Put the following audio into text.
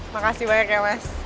makasih banyak ya mas